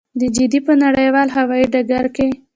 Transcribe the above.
د جدې په نړیوال هوايي ډګر کې.